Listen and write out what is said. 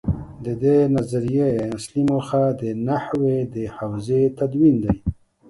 د دې نظریې اصلي موخه د نحوې د حوزې تدوین دی.